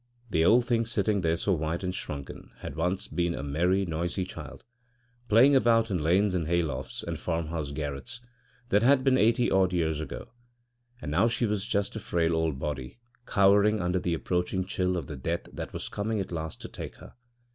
The old thing sitting there so white and shrunken had once been a merry, noisy child, playing about in lanes and hay lofts and farmhouse garrets; that had been eighty odd years ago, and now she was just a frail old body cowering under the approaching chill of the death that was coming at last to take her.